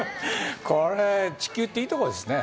これ、地球っていいところですね。